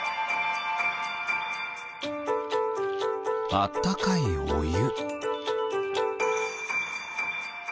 あったかいおゆ。